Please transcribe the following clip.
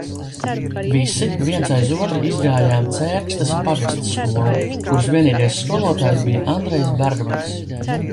Visi viens aiz otra izgājām Cērkstes pagastskolu, kuras vienīgais skolotājs bija Andrejs Bergmanis.